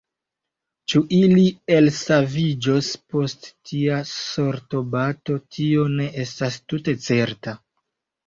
Ĉu ili elsaviĝos post tia sortobato, tio ne estas tute certa.